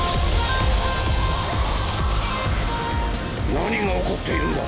何が起こっているんだ？